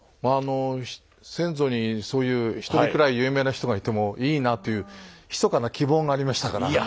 あの先祖にそういう１人くらい有名な人がいてもいいなというひそかな希望がありましたから。